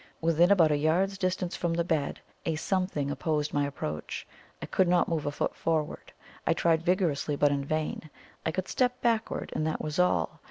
Within about a yard's distance from the bed a SOMETHING opposed my approach! I could not move a foot forward I tried vigorously, but in vain! I could step backward, and that was all.